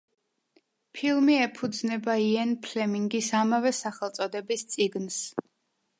ფილმი ეფუძნება იენ ფლემინგის ამავე სახელწოდების წიგნს.